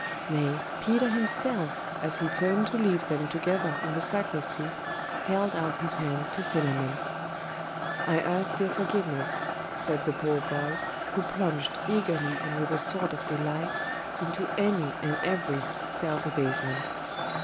Nay, Peter himself, as he turned to leave them together in the sacristy, held out his hand to Philammon. 'I ask your forgiveness,' said the poor boy, who plunged eagerly and with a sort of delight into any and every self abasement.